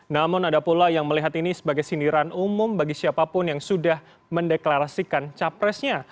namun ada pula yang melihat ini sebagai sindiran umum bagi siapapun yang sudah mendeklarasikan capresnya